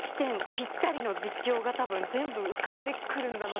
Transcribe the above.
ぴったりの実況がたぶん全部浮かんでくるんだなと。